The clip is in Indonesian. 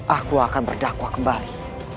aku akan berdakwah kembali